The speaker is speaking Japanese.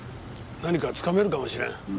何かつかめるかもしれん。